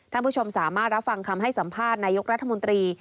ผู้ชมสามารถรับฟังคำให้สัมภาษณ์นายกรัฐมนตรี